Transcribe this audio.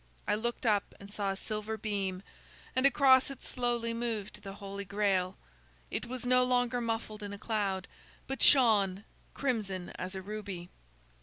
I looked up and saw a silver beam, and across it slowly moved the Holy Grail. It was no longer muffled in a cloud, but shone crimson as a ruby.